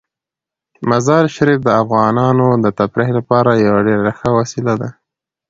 مزارشریف د افغانانو د تفریح لپاره یوه ډیره ښه وسیله ده.